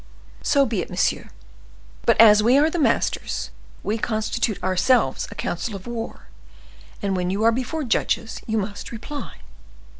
"So be it, monsieur; but as we are the masters, we constitute ourselves a council of war, and when you are before judges you must reply."